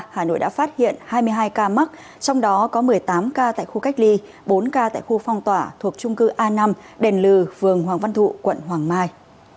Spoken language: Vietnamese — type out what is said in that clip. hà nội đã phát hiện hai mươi hai ca mắc trong đó có một mươi tám ca tại khu cách ly bốn ca tại khu phong tỏa thuộc trung cư a năm đền lừng hoàng văn thụ quận hoàng mai